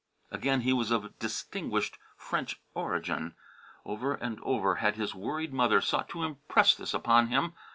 Again, he was of distinguished French origin. Over and over had his worried mother sought to impress this upon him.